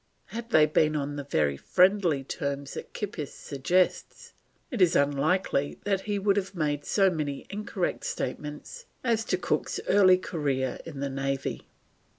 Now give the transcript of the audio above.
Had they been on the very friendly terms that Kippis suggests, it is unlikely that he would have made so many incorrect statements as to Cook's early career in the Navy.